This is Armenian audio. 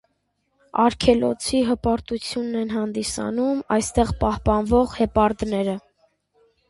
Արգելոցի հպարտությունն են հանդիսանում այստեղ պահպանվող հեպարդները։